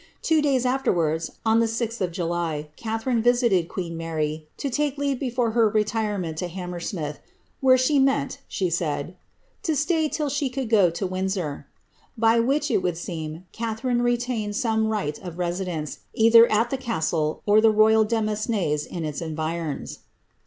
Two dan afterwards, on the 0th of July, Catharine visited queen Mary to take leave before her retirement to Hammersmith, ^ where she meant," she said, ^' to stay till she could go to Windsor ;^' by which, it would seeaiy Catharine retaineil some right of residence, either at the castle or the roval demesnes in its environs.